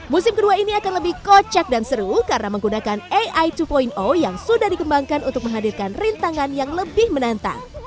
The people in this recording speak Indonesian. musim kedua ini akan lebih kocak dan seru karena menggunakan ai dua yang sudah dikembangkan untuk menghadirkan rintangan yang lebih menantang